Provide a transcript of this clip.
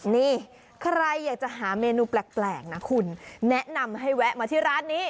นี่ใครอยากจะหาเมนูแปลกนะคุณแนะนำให้แวะมาที่ร้านนี้